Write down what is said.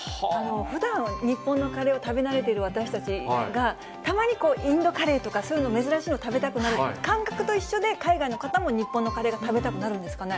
ふだん、日本のカレーを食べ慣れている私たちが、たまにインドカレーとか、そういうの、珍しいの食べたくなる感覚と一緒で、海外の方も日本のカレーが食べたくなるんですかね。